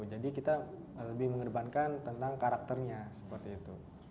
jadi kita lebih mengedepankan tentang karakternya seperti itu